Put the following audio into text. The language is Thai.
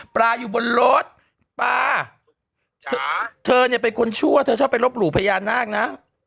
ปลาอยู่บนรถปลาเธอเนี่ยเป็นคนชั่วเธอชอบไปรบหลู่พญานาคนะ